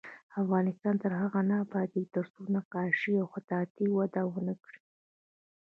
افغانستان تر هغو نه ابادیږي، ترڅو نقاشي او خطاطي وده ونه کړي.